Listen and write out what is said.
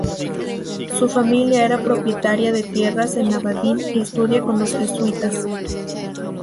Su familia era propietaria de tierras en Abadín y estudia con los Jesuitas.